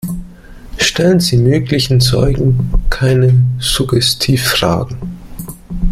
Stellen Sie möglichen Zeugen keine Suggestivfragen.